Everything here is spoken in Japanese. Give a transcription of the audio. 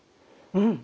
うん。